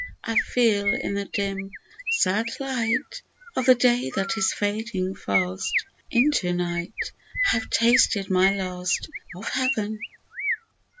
I feel in the dim sad light Of the day that is fading fast into night, I have tasted my last of Heaven